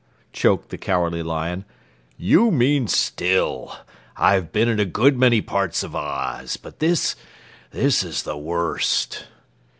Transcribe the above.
choked the Cowardly Lion. "You mean still. I've been in a good many parts of Oz, but this this is the worst."